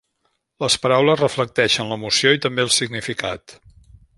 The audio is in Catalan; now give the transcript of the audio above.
Les paraules reflecteixen l'emoció i també el significat.